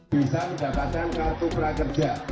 bisa mendapatkan kartu prakerja